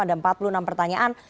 ada empat puluh enam pertanyaan